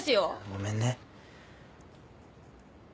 ごめんね。